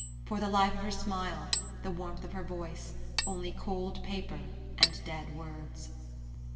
For the life of her smile, the warmth of her voice, only cold paper and dead words!